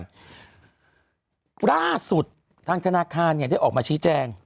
ล่าสุดทางธนาคารเนี่ยได้ออกมาชี้แจง